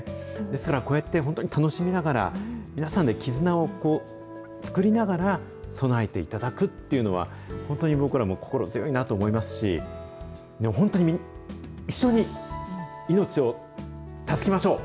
ですから、こうやって楽しみながら、皆さんで絆を作りながら備えていただくっていうのは、本当に僕らも心強いなと思いますし、本当に一緒に命を助けましょう。